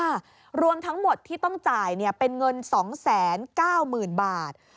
ค่ะรวมทั้งหมดที่ต้องจ่ายเป็นเงิน๒๙๐๐๐๐บาท